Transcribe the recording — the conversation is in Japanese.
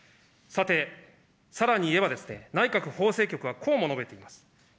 さて、さらに言えばですね、内閣法制局はこうも述べています。